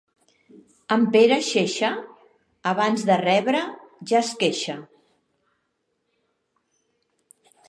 En Pere Xeixa, abans de rebre ja es queixa.